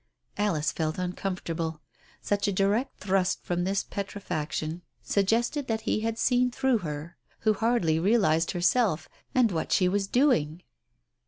Alice felt uncomfortable. Such a direct thrust from this petrifaction suggested that he had seen through her, who hardly realized herself, and what she was doing.